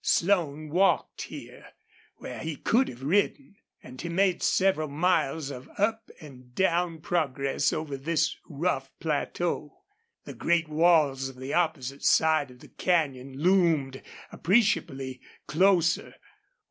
Slone walked here, where he could have ridden. And he made several miles of up and down progress over this rough plateau. The great walls of the opposite side of the canyon loomed appreciably closer.